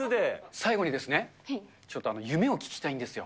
最後にですね、ちょっと夢を聞きたいんですよ。